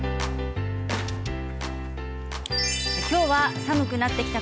今日は寒くなってきた